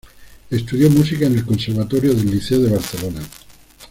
Estudió música en el Conservatorio del Liceo de Barcelona.